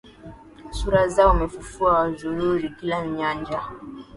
Sura Zao ‘mefufua, Wanazuru kila nyanja,